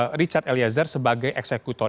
fokus pada richard eliezer sebagai eksekutor